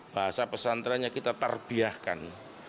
bahasa pesantrennya kita terbiahkan